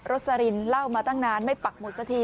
สลินเล่ามาตั้งนานไม่ปักหุดสักที